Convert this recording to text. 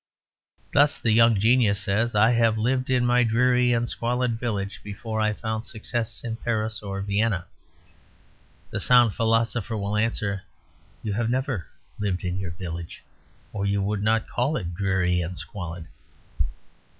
Thus the young genius says, "I have lived in my dreary and squalid village before I found success in Paris or Vienna." The sound philosopher will answer, "You have never lived in your village, or you would not call it dreary and squalid."